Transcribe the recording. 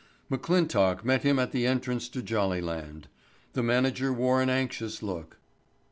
McClintock met him at the entrance to Jollyland. The manager wore an anxious look.